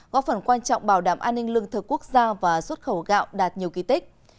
góp phần quan trọng bảo đảm an ninh lương thực quốc gia và xuất khẩu gạo đạt nhiều kỳ tích